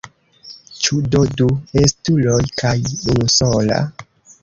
Ĉu do du estuloj kaj unusola?